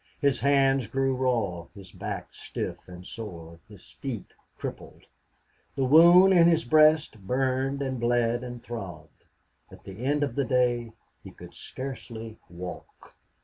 His hands grew raw, his back stiff and sore, his feet crippled. The wound in his breast burned and bled and throbbed. At the end of the day he could scarcely walk.